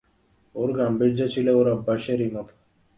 ওর গাম্ভীর্য ছিল ওর অভ্যেসেরই মতো।